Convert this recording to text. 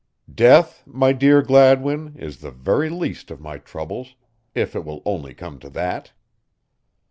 "Death, my dear Gladwin, is the very least of my troubles, if it will only come like that."